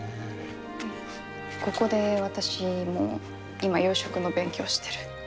ここで私も今養殖の勉強してる。